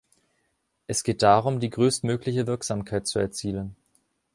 Es geht darum, die größtmögliche Wirksamkeit zu erzielen.